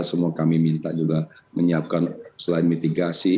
semua kami minta juga menyiapkan selain mitigasi